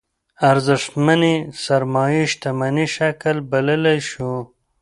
ارزشمنې سرمايې شتمنۍ شکل بللی شو.